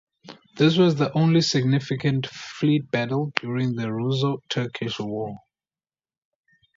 This was the only significant fleet battle during the Russo-Turkish War.